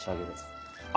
あ！